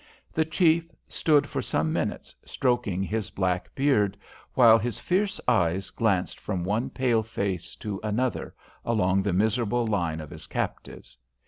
The chief stood for some minutes, stroking his black beard, while his fierce eyes glanced from one pale face to another along the miserable line of his captives.